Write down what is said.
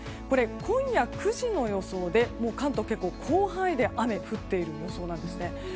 これ、今夜９時の予想でもう関東、結構広範囲で雨が降っている予想なんですね。